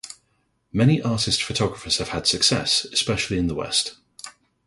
Many artist-photographers have had success, especially in the west.